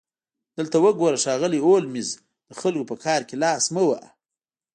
دلته وګوره ښاغلی هولمز د خلکو په کار کې لاس مه وهه